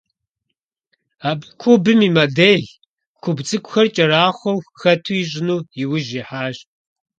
Абы кубым и модель, куб цIыкIухэр кIэрахъуэу хэту ищIыну и ужь ихьащ.